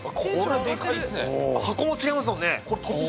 箱も違いますもんね。